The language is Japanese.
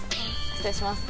失礼します。